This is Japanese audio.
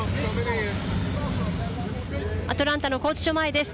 アトランタの拘置所前です。